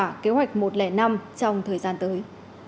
và kế hoạch một trăm linh năm trong thời gian tới